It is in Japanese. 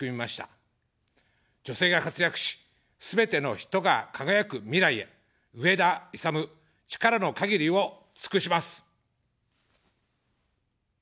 女性が活躍し、すべての人が輝く未来へ、上田いさむ、力の限りを尽くします。